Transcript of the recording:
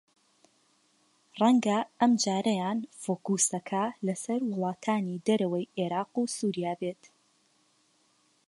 رەنگە ئەمجارەیان فۆکووسەکە لەسەر وڵاتانی دەرەوەی عێراق و سووریا بێت